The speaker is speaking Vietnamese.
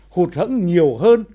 hụt hẫng nhiều hơn